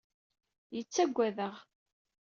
Yettagad-aɣ.